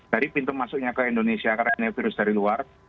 jadi pintu masuknya ke indonesia karena virus dari luar